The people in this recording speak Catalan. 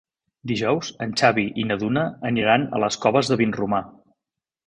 Dijous en Xavi i na Duna aniran a les Coves de Vinromà.